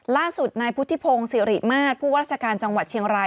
ล่าสุดนายพุทธิพงศ์สิริมาตรผู้ว่าราชการจังหวัดเชียงราย